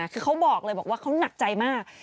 คือเขาบอกเลยบอกว่าเขาหนักใจมาก